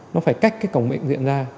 nó phải cách cái cổng bệnh viện ra